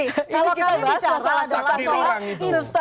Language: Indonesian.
kalau kita bicara soal takdir orang itu